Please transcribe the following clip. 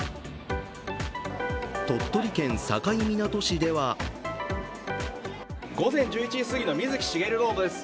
鳥取県境港市では午前１１時すぎの水木しげるロードです。